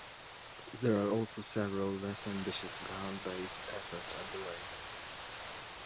There are also several less ambitious ground-based efforts underway.